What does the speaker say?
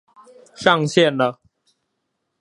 上線了！